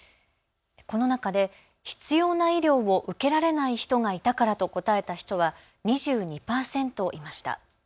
この中で必要な医療を受けられない人がいたからと答えた人は２２％いました。